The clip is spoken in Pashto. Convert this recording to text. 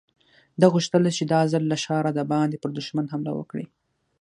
ده غوښتل چې دا ځل له ښاره د باندې پر دښمن حمله وکړي.